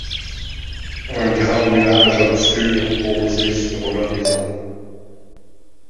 Un grand nuage obscur posé sur l'horizon ;